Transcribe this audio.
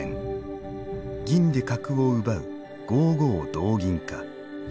銀で角を奪う「５五同銀」か。